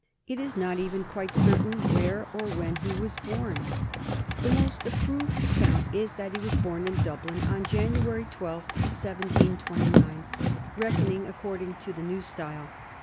It is not even quite certain where or when he was born. The most approved account is that he was born in Dublin on January 12, 1729, reckoning according to the new style.